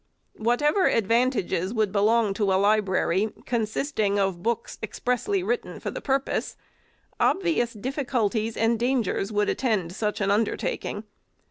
Whatever advantages would belong to a library consisting of books expressly written for the purpose, obvious difficulties and dangers would attend such an undertaking.